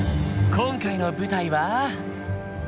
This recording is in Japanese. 今回の舞台は？